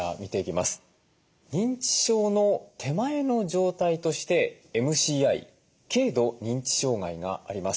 認知症の手前の状態としてＭＣＩ軽度認知障害があります。